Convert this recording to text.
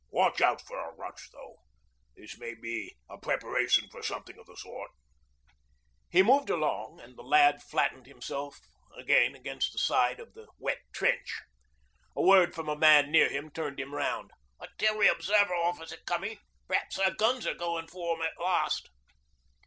Watch out for a rush through. This may be a preparation for something of the sort.' He moved along, and the lad flattened himself again against the side of the wet trench. A word from a man near him turned him round. '... a 'tillery Observin' Officer comin'. P'raps our guns are goin' for 'em at last.'